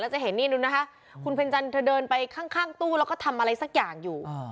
จะเห็นนี่ดูนะคะคุณเพ็ญจันทร์เธอเดินไปข้างตู้แล้วก็ทำอะไรสักอย่างอยู่